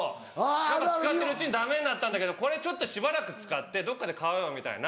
使ってるうちにダメになったんだけどこれちょっとしばらく使ってどっかで買おうよみたいな。